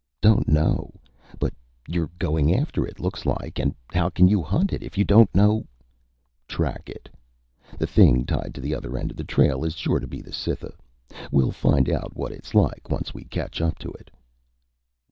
"Don't know? But you're going after it, looks like, and how can you hunt it if you don't know " "Track it. The thing tied to the other end of the trail is sure to be the Cytha. Well find out what it's like once we catch up to it."